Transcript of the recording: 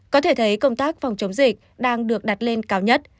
có thể thấy công tác phòng chống dịch đang được đặt lên cao nhất